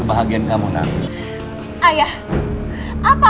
ayah lepas ayah